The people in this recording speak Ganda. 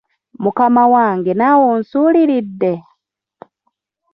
Mukama wange naawe onsuuliridde?